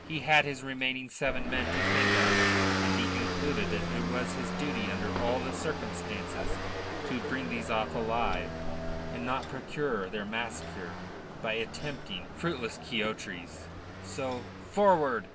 He had his remaining seven men to think of, and he concluded that it was his duty under all the circumstances to bring these off alive, and not procure their massacre by attempting fruitless quixotries. So "Forward!"